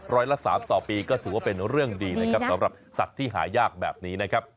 ละ๓ต่อปีก็ถือว่าเป็นเรื่องดีนะครับสำหรับสัตว์ที่หายากแบบนี้นะครับ